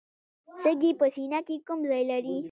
سږي په سینه کې کوم ځای لري